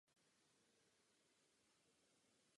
Součástí města jsou i vesnice Nový a Vinice.